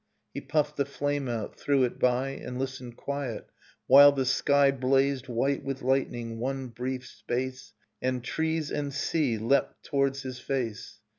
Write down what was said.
He puffed the flame out, threw it by, And listened quiet; while the sky Blazed white with lightning one brief space And trees and sea leapt towards his face.